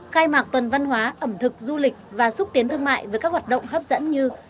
khai mạc tuần văn hóa ẩm thực du lịch và xúc tiến thương mại với các hoạt động hấp dẫn như